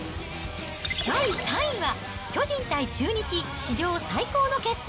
第３位は、巨人対中日、史上最高の決戦！